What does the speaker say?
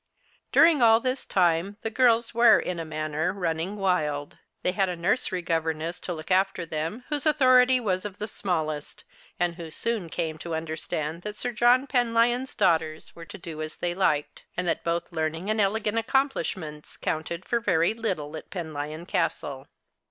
During all tliis time the girls were in a manner running wild. They had a nursery governess to look after them whose authority was of the smallest, and who soon came to understand that Sir John Penlyon's daughters were to do as they liked ; and that both learning and elegant accomplishments counted for very little at Penlyon Castle.